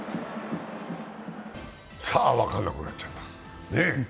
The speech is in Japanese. さあ、分かんなくなっちゃった。